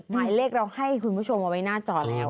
หมายเลขเราให้คุณผู้ชมเอาไว้หน้าจอแล้ว